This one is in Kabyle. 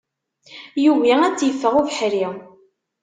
Yugi ad tt-iffeɣ ubeḥri.